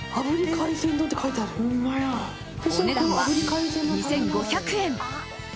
お値段は２５００円。